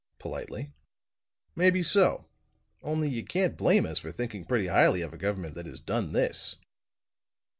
politely. "Maybe so; only, you can't blame us for thinking pretty highly of a government that has done this."